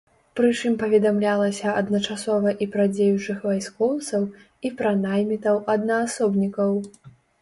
Прычым паведамлялася адначасова і пра дзеючых вайскоўцаў, і пра наймітаў-аднаасобнікаў.